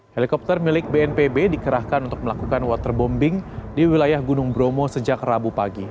helikopter milik bnpb dikerahkan untuk melakukan waterbombing di wilayah gunung bromo sejak rabu pagi